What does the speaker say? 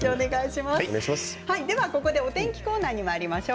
ここで、お天気コーナーにまいりましょう。